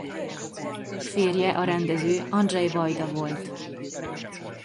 Férje a rendező Andrzej Wajda volt.